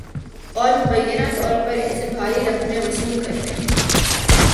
اور مبینہ طور پر ان سے بھاری رقمیں وصول کرنے